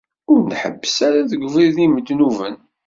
Ur nḥebbes ara deg ubrid n yimednuben.